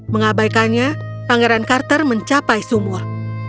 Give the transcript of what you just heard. mengabaikannya pangeran carter mencapai sumur